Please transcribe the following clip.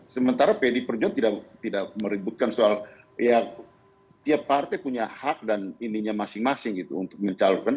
sementara pdi perjuangan tidak meributkan soal tiap partai punya hak dan intinya masing masing untuk mencalurkan